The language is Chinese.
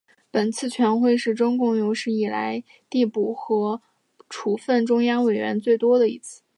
本次全会是中共有史以来递补和处分中央委员最多的一次。